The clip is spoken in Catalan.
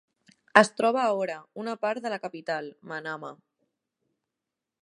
Es troba a Hoora, una part de la capital, Manama.